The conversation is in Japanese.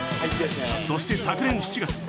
そして昨年７月。